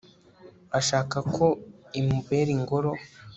ashaka ko imubera ingoro